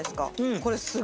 これ。